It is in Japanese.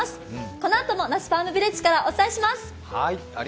このあとも那須ファームヴィレッジからお伝えします。